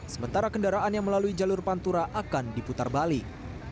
sementara kendaraan yang melalui jalur pantura akan diputar balik